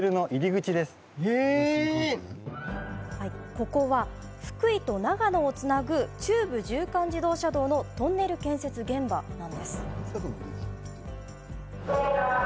ここは、福井と長野をつなぐ中部縦貫自動車道のトンネル建設現場です。